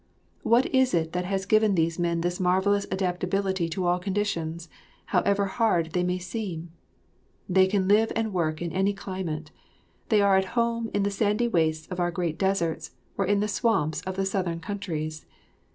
What is it that has given these men this marvellous adaptability to all conditions, however hard they may seem? They can live and work in any climate, they are at home in the sandy wastes of our great deserts or in the swamps of the southern countries.